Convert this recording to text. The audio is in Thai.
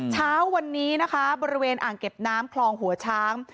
เช้าวันนี้นะคะบริเวณอ่างเก็บน้ำคลองหัวช้าง